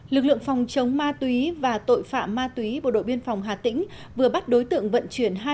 lực lượng phòng chống ma túy và tội phạm ma túy bộ đội biên phòng hà tĩnh vừa bắt đối tượng vận chuyển